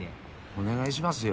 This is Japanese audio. お願いしますよ。